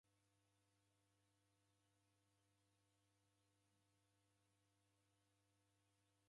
Nyamandu rimu ra isakenyi radiw'agha rijigho.